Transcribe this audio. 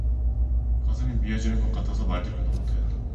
가슴이 미어지는 것 같아서 말대꾸도 못 하였다.